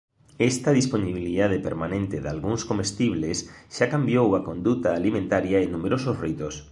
Esta dispoñibilidade permanente dalgúns comestibles xa cambiou a conduta alimentaria e numerosos ritos.